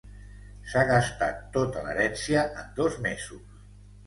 S'ha gastat tota l'herència en dos mesos.